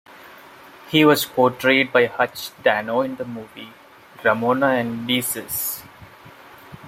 He was portrayed by Hutch Dano in the movie "Ramona and Beezus".